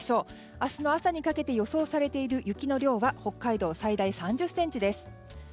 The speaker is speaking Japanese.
明日の朝にかけて予想されている雪の量は北海道、最大３０ｃｍです。